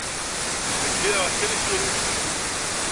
Ttdeggireɣ kan isurifen.